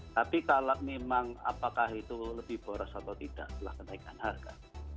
tapi kalau memang apakah itu lebih boros atau tidak setelah kenaikan harga